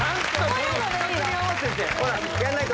最後やんないと！